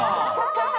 ハハハ！